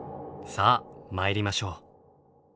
さあ参りましょう。